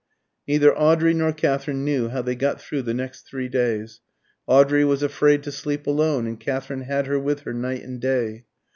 Neither Audrey nor Katherine knew how they got through the next three days. Audrey was afraid to sleep alone, and Katherine had her with her night and day.